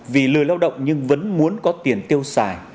vì lười lao động nhưng vẫn muốn có tiền tiêu xài